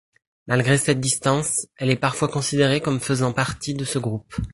Malgré cette distance, elle est parfois considérée comme faisant partie de ce groupe.